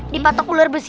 dipatok ular besi